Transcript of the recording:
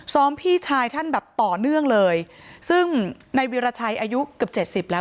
พี่ชายท่านแบบต่อเนื่องเลยซึ่งในวิราชัยอายุเกือบเจ็ดสิบแล้ว